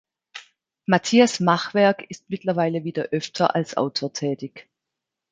Matthias Machwerk ist mittlerweile wieder öfter als Autor tätig.